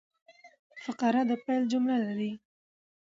فقره د پیل جمله لري.